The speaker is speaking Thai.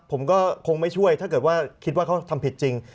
ผมก็คงไม่ช่วยถ้าเกิดว่าคิดว่าเขาทำผิดจริง